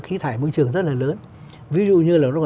khí thải môi trường rất là lớn ví dụ như